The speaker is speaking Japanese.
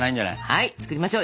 はい作りましょう。